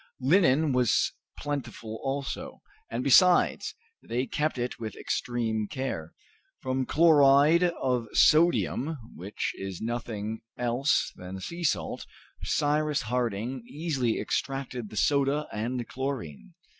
Linen was plentiful also, and besides, they kept it with extreme care. From chloride of sodium, which is nothing else than sea salt, Cyrus Harding easily extracted the soda and chlorine.